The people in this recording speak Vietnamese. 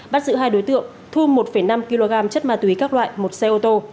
bắt giữ hai đối tượng thu một năm kg chất ma túy các loại một xe ô tô